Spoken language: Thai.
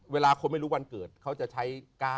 เวลาคนไม่รู้วันเกิดเขาจะใช้๙